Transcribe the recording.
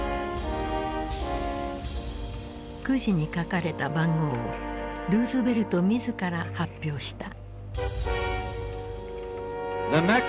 くじに書かれた番号をルーズベルト自ら発表した。